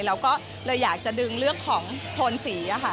เราก็เลยอยากจะดึงเรื่องของโทนสีค่ะ